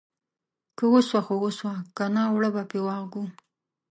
که وسوه خو وسوه ، که نه اوړه به په واغږو.